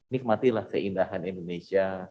nikmatilah keindahan indonesia